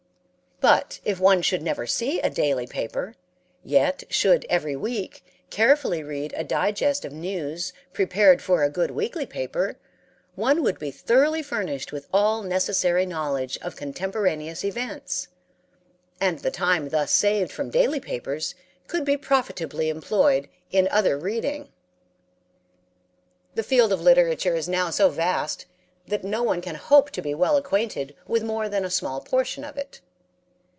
But if one should never see a daily paper, yet should every week carefully read a digest of news prepared for a good weekly paper, one would be thoroughly furnished with all necessary knowledge of contemporaneous events, and the time thus saved from daily papers could be profitably employed in other reading. The field of literature is now so vast that no one can hope to be well acquainted with more than a small portion of it.